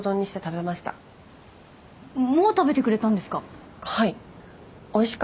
もう食べてくれたんですか？